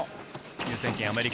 優先権、アメリカ。